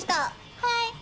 はい！